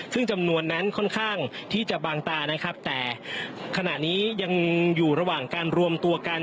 ซึ่งจำนวนนั้นค่อนข้างที่จะบางตานะครับแต่ขณะนี้ยังอยู่ระหว่างการรวมตัวกัน